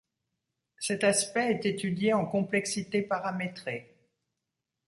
Cet aspect est étudié en complexité paramétrée.